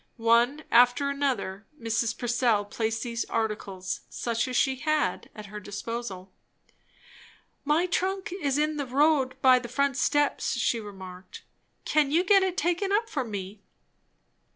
One after another Mrs. Purcell placed these articles, such as she had, at her disposal. "My trunk is in the road by the front steps," she remarked. "Can you get it taken up for me?"